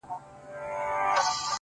له دېوالونو یې رڼا پر ټوله ښار خپره ده;